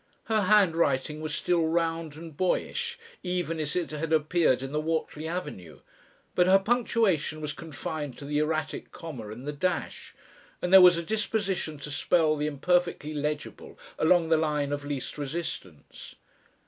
Her handwriting was still round and boyish, even as it had appeared in the Whortley avenue, but her punctuation was confined to the erratic comma and the dash, and there was a disposition to spell the imperfectly legible along the line of least resistance.